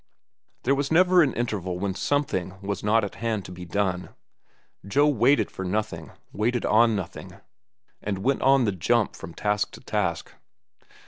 There was never an interval when something was not at hand to be done. Joe waited for nothing, waited on nothing, and went on the jump from task to task.